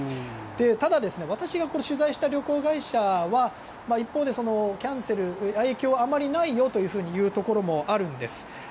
ただ、私が取材した旅行会社は一方でキャンセルの影響はあまりないよというところもあるんです。